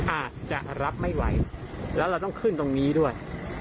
อาจจะรับไม่ไหวแล้วเราต้องขึ้นตรงนี้ด้วย